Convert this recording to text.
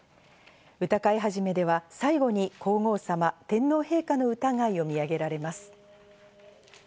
歌会始では最後に皇后さま、天皇陛下の歌が詠み上げられます。